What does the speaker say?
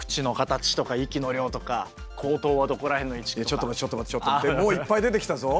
やっぱりちょっと待ってちょっと待ってもういっぱい出てきたぞ。